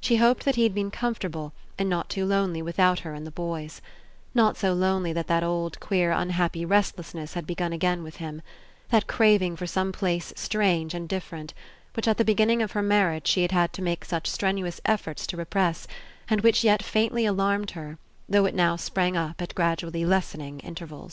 She hoped that he had been 83 PASSING comfortable and not too lonely without her and the boys. Not so lonely that that old, queer, un happy restlessness had begun again within him; that craving for some place strange and dif ferent, which at the beginning of her marriage she had had to make such strenuous efforts to repress, and which yet faintly alarmed her, though it now sprang up at gradually lessen ing interval